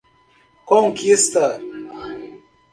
Conquista